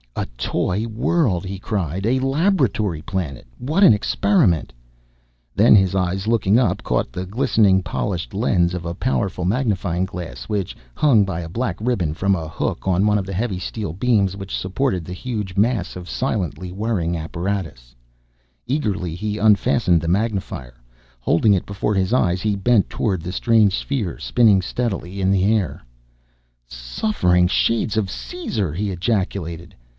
"A toy world!" he cried. "A laboratory planet! What an experiment " Then his eyes, looking up, caught the glistening, polished lens of a powerful magnifying glass which hung by a black ribbon from a hook on one of the heavy steel beams which supported the huge mass of silently whirring apparatus. Eagerly, he unfastened the magnifier. Holding it before his eyes, he bent toward the strange sphere spinning steadily in the air. "Suffering shades of Caesar!" he ejaculated.